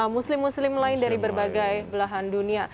muslim muslim lain dari berbagai belahan dunia